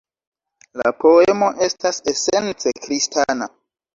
La poemo estas esence kristana.